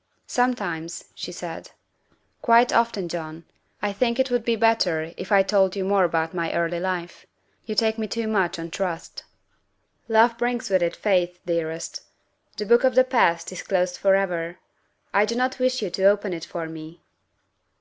" Sometimes," she said, " quite often, John, I think 358 THE WIFE OF it would be better if I told you more about my early life. You take me too much on trust. '' 11 Love brings with it faith, dearest. The book of the past is closed forever. I do not wish you to open it for me."